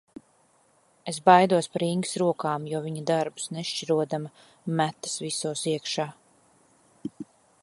Es baidos par Ingas rokām, jo viņa darbus nešķirodama, metas visos iekšā.